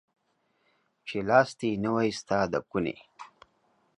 چي لاستى يې نه واى ستا د کوني.